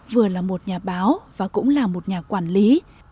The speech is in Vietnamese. vừa là một nhà báo và cũng là một nhà quản lý